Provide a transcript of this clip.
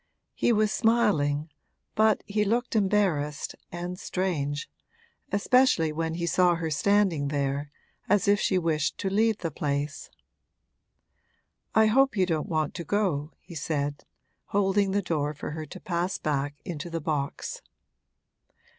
He was smiling, but he looked embarrassed and strange, especially when he saw her standing there as if she wished to leave the place. 'I hope you don't want to go,' he said, holding the door for her to pass back into the box.